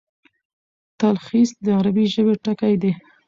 تلخیص د عربي ژبي ټکی دﺉ.